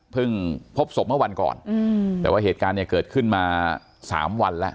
พบศพเมื่อวันก่อนแต่ว่าเหตุการณ์เนี่ยเกิดขึ้นมา๓วันแล้ว